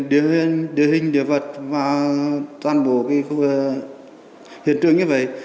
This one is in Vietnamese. địa hình địa vật và toàn bộ hiện trường như vậy